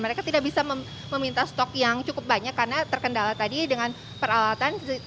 mereka tidak bisa meminta stok yang cukup banyak karena terkendala tadi dengan peralatan